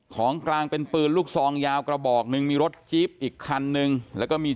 ของกลางเป็นปืนลูกซองยาวกระบอกหนึ่งมีรถจี๊บอีกคันนึงแล้วก็มี